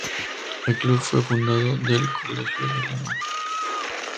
El club fue fundado del Colegio de Lima.